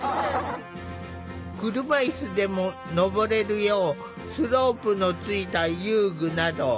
車いすでも上れるようスロープのついた遊具など。